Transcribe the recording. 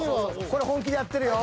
［これ本気でやってるよ］